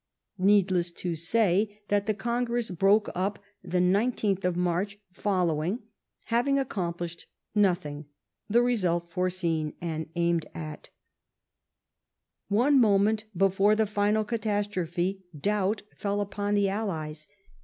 Needless to add that the Congi'ess broke up the 19th of March following, having accomplished nothing — the result foreseen and aimed at. One moment before the final catastrophe doubt fell upon the Allies.